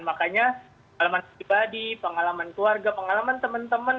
makanya pengalaman pribadi pengalaman keluarga pengalaman teman teman